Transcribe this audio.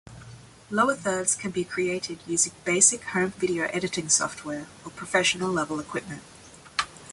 Lower thirds can be created using basic home-video editing software or professional-level equipment.